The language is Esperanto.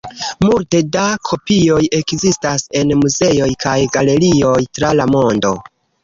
Multe da kopioj ekzistas en muzeoj kaj galerioj tra la mondo.